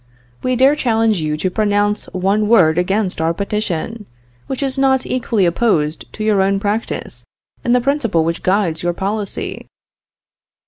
We dare challenge you to pronounce one word against our petition, which is not equally opposed to your own practice and the principle which guides your policy.